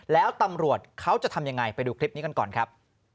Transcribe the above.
แล้วตำรวจเขาจะทำยังไงไปดูคลิปนี้กันก่อนครับ